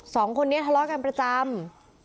สองคนนี้ทะเลาะกันประจำ